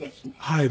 はい。